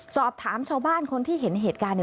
สอบถามชาวบ้านคนที่เห็นเหตุการณ์